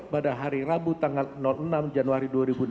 pada hari rabu tanggal enam januari